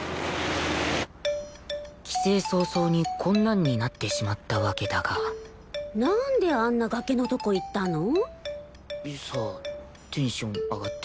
帰省早々にこんなんになってしまったわけだがなんであんな崖のとこ行ったの？さあテンション上がって。